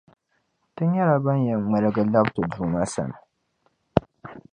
Ti nyɛla ban yɛn ŋmalgi nlabi ti Duuma sani.